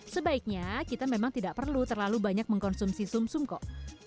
sebaiknya kita memang tidak perlu terlalu banyak mengkonsumsi sum sum kok